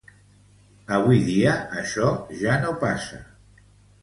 Avui dia això ja no passa.